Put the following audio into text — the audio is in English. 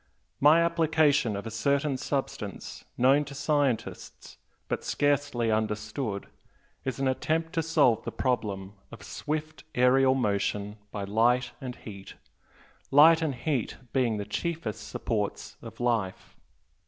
My application of a certain substance, known to scientists, but scarcely understood, is an attempt to solve the problem of swift aerial motion by light and heat light and heat being the chiefest supports of life.